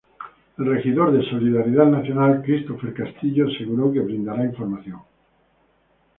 El regidor de Solidaridad Nacional Christopher Castillo aseguró que brindará información.